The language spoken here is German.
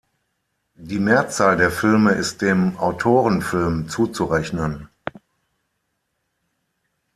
Die Mehrzahl der Filme ist dem Autorenfilm zuzurechnen.